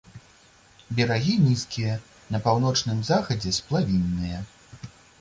Берагі нізкія, на паўночным захадзе сплавінныя.